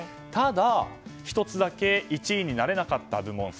ただ、１つだけ１位になれなかった部門。